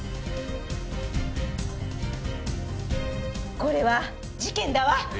これは、事件だわ！